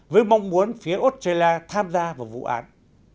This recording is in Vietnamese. với mong muốn phía australia tham gia vào vụ án